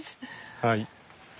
はい。